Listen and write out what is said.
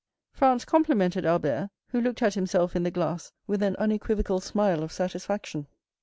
Franz complimented Albert, who looked at himself in the glass with an unequivocal smile of satisfaction.